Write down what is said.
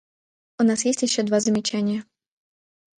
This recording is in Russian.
У нас есть еще два замечания.